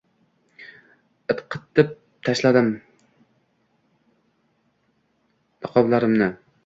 Itqitib tashladim niqoblarimni